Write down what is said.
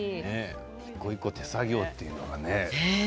一個一個手作業というのがね。